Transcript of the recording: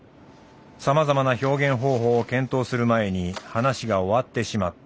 さまざまな表現方法を検討する前に話が終わってしまった。